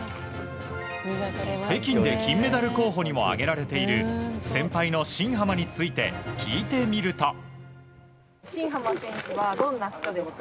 北京で金メダル候補にも挙げられている先輩の新濱について聞いてみると。